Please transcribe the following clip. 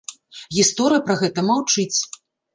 Гісторыя пра гэта маўчыць.